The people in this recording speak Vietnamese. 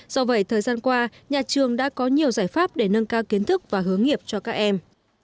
do vậy thời gian qua nhà trường đã có nhiều giải pháp để nâng cao kiến thức và hướng nghiệp cho các em